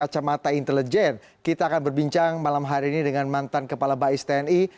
kacamata intelijen kita akan berbincang malam hari ini dengan mantan kepala bais tni